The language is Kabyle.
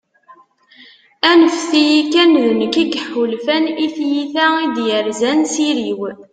anfet-iyi kan, d nekk i yeḥulfan, i tyita i d-yerzan s iri-w